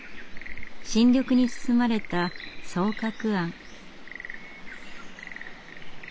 新緑に包まれた双鶴庵。